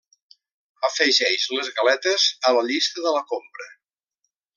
Afegeix les galetes a la llista de la compra.